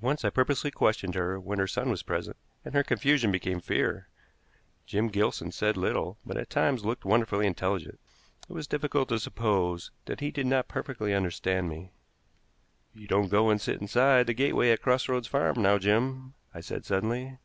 Once I purposely questioned her when her son was present, and her confusion became fear. Jim Gilson said little, but at times looked wonderfully intelligent. It was difficult to suppose that he did not perfectly understand me. "You don't go and sit inside the gateway at Cross Roads Farm now, Jim," I said suddenly.